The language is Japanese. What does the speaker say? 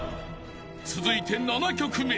［続いて７曲目］